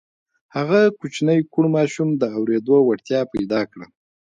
هغه کوچني کوڼ ماشوم د اورېدو وړتيا پيدا کړه.